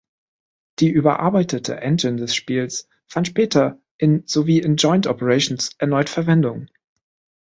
Die überarbeitete Engine des Spiels fand später in sowie in Joint Operations erneut Verwendung.